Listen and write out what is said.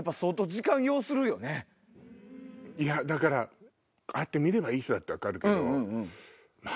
だからああやって見ればいい人だって分かるけど。